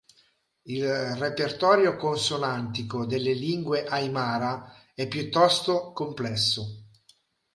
Il repertorio consonantico delle lingue aymara è piuttosto complesso.